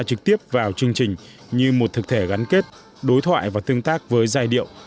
trực tiếp vào chương trình như một thực thể gắn kết đối thoại và tương tác với giai điệu